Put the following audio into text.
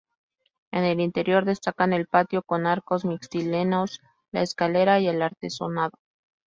En el interior destacan el patio con arcos mixtilíneos, la escalera y el artesonado.